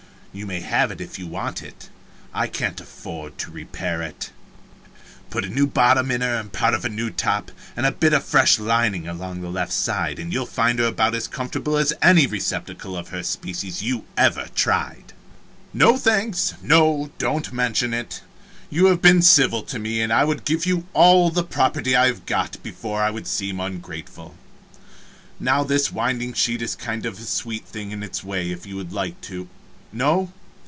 You may have it if you want it I can't afford to repair it. Put a new bottom in her, and part of a new top, and a bit of fresh lining along the left side, and you'll find her about as comfortable as any receptacle of her species you ever tried. No thanks no, don't mention it you have been civil to me, and I would give you all the property I have got before I would seem ungrateful. Now this winding sheet is a kind of a sweet thing in its way, if you would like to No?